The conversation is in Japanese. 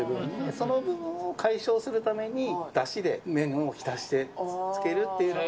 その分を解消するために、たしで麺を浸してつけるっていうのが。